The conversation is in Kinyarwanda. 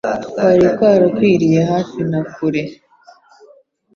kwari kwarakwiriye hafi na kure.